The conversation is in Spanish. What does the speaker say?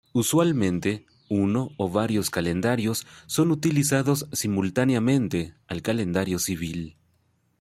Usualmente uno o varios calendarios son utilizados simultáneamente al calendario civil.